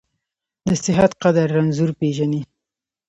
د صحت قدر رنځور پېژني .